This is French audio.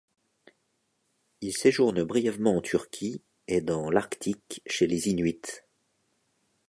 Il séjourne brièvement en Turquie et dans l’Arctique chez les Inuits.